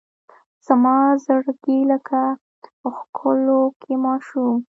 زما زړګی لکه ښکلوکی ماشوم